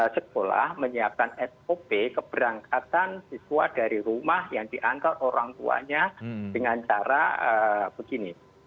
sekolah menyiapkan sop keberangkatan siswa dari rumah yang diangkat orang tuanya dengan cara begini